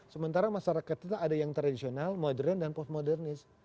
sementara masyarakat kita ada yang tradisional modern dan postmodernis